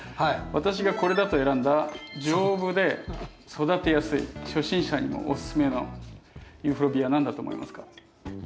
私がこれだと選んだ丈夫で育てやすい初心者にもおススメのユーフォルビア何だと思いますか？